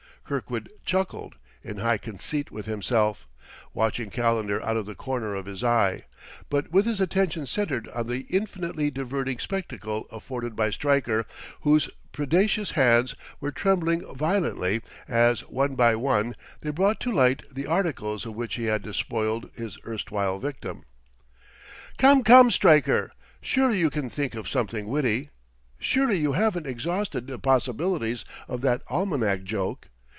Kirkwood chuckled, in high conceit with himself, watching Calendar out of the corner of his eye, but with his attention centered on the infinitely diverting spectacle afforded by Stryker, whose predacious hands were trembling violently as, one by one, they brought to light the articles of which he had despoiled his erstwhile victim. "Come, come, Stryker! Surely you can think of something witty, surely you haven't exhausted the possibilities of that almanac joke!